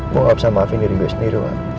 gue gak bisa maafin diri gue sendiri